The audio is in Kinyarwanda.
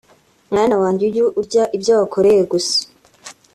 "Mwana wanjye ujye urya ibyo wakoreye gusa